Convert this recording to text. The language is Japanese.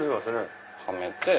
はめて。